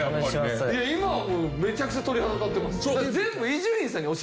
今はもうめちゃくちゃ鳥肌立ってます。